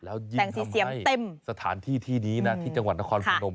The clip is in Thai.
แล้วยิงเต็มสถานที่ที่นี้นะที่จังหวัดนครพนม